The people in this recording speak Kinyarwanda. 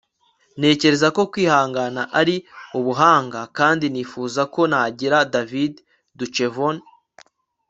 ntekereza ko kwihangana ari ubuhanga kandi nifuza ko nagira. - david duchovny